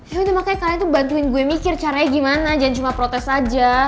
itu makanya kalian tuh bantuin gue mikir caranya gimana jangan cuma protes aja